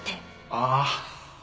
ああ。